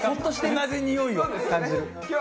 同じにおいを感じる。